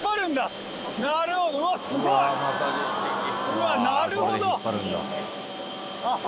うわなるほど！